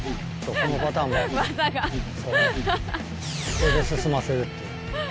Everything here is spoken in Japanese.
これで進ませるっていう。